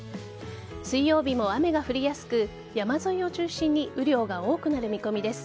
水曜日も雨が降りやすく山沿いを中心に雨量が多くなる見込みです。